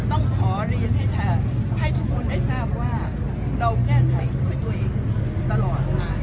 ต้องขอเรียนให้เธอให้ทุกคนได้ทราบว่าเราแก้ไขกับตัวเองตลอด